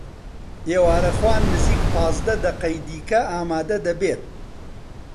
ئێوارەخوان نزیک پازدە دەقەی دیکە ئامادە دەبێت.